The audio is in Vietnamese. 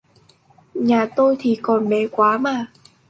Nhà tôi thì còn bé quá mà